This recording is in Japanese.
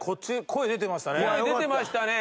声出てましたね